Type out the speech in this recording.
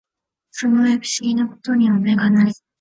その上不思議な事は眼がない